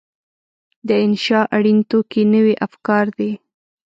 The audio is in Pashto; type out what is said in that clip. د انشأ اړین توکي نوي افکار دي.